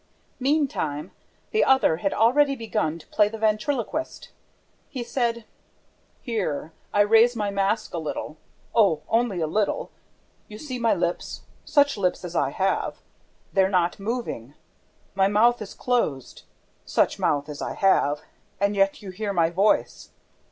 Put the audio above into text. Meantime, the other had already begun to play the ventriloquist. He said: "Here, I raise my mask a little ... Oh, only a little! ... You see my lips, such lips as I have? They're not moving! ... My mouth is closed such mouth as I have and yet you hear my voice...